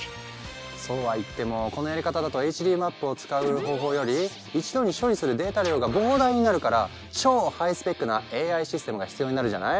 そうは言ってもこのやり方だとＨＤマップを使う方法より一度に処理するデータ量が膨大になるから超ハイスペックなＡＩシステムが必要になるじゃない？